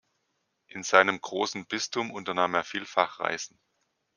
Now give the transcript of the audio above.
In seinem großen Bistum unternahm er vielfach Reisen.